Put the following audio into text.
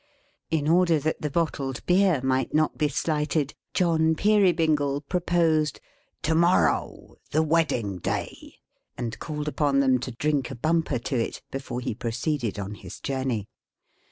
In order that the bottled beer might not be slighted, John Peerybingle proposed To morrow: the Wedding Day: and called upon them to drink a bumper to it, before he proceeded on his journey.